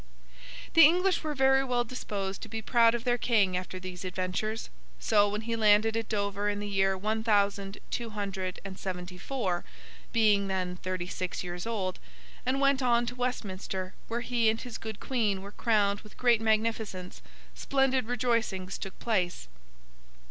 The English were very well disposed to be proud of their King after these adventures; so, when he landed at Dover in the year one thousand two hundred and seventy four (being then thirty six years old), and went on to Westminster where he and his good Queen were crowned with great magnificence, splendid rejoicings took place.